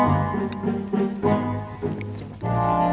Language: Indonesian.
terima kasih mbak